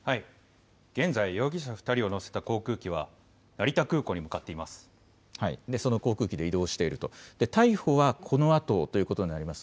現在、容疑者２人を乗せた航空機は成田空港に向かっています。